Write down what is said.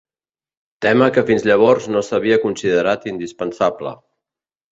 Tema que fins llavors no s'havia considerat indispensable.